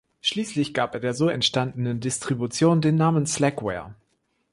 Schließlich gab er der so entstandenen Distribution den Namen Slackware.